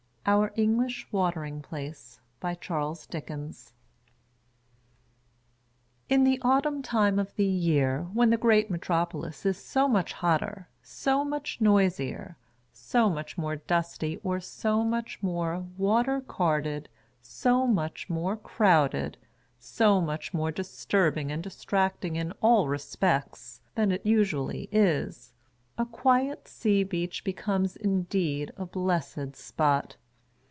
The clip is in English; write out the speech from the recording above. OUE WATERING PLACE. AT this time of the year, and especially at this time of this year when the great metro polis is so much hotter, so much noisier, so much more dusty or so much more water carted, so much more crowded, so much more disturbing and distracting in all respects, than it usually is, a quiet sea beach becomes indeed a blessed spot.